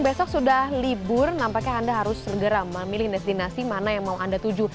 besok sudah libur nampaknya anda harus segera memilih destinasi mana yang mau anda tuju